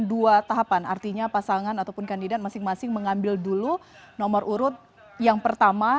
dua tahapan artinya pasangan ataupun kandidat masing masing mengambil dulu nomor urut yang pertama